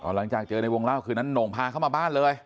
หลังจากเจอในวงเล่าคืนนั้นโหน่งพาเข้ามาบ้านเลย